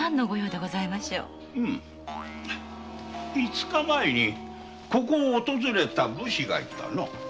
うむ五日前にここを訪れた武士がいたの？